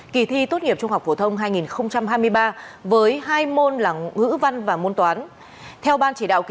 kỳ thi tốt nghiệp trung học phổ thông